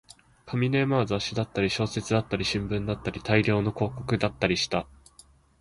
紙の山は雑誌だったり、小説だったり、新聞だったり、大量の広告だったりした